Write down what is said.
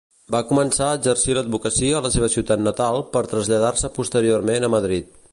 Va començar a exercir l'advocacia a la seva ciutat natal per traslladar-se posteriorment a Madrid.